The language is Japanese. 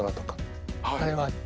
あれは。